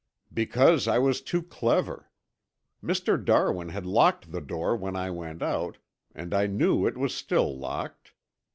"Because I was too clever. Mr. Darwin had locked the door when I went out and I knew it was still locked.